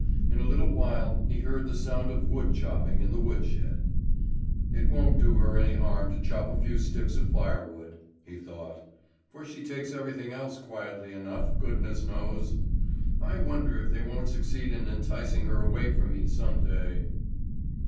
In a little while he heard the sound of wood chopping in the wood shed. "It won't do her any harm to chop a few sticks of firewood," he thought; "for she takes everything else quietly enough, goodness knows! I wonder if they won't succeed in enticing her away from me some day."